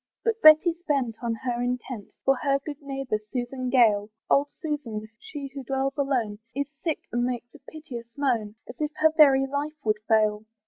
But Betty's bent on her intent, For her good neighbour, Susan Gale, Old Susan, she who dwells alone, Is sick, and makes a piteous moan, As if her very life would fail.